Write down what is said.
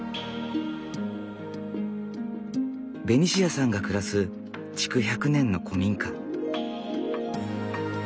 ベニシアさんが暮らす築１００年の古民家。